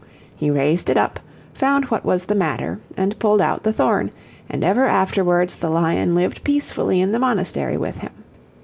He raised it up, found what was the matter, and pulled out the thorn; and ever afterwards the lion lived peacefully in the monastery with him.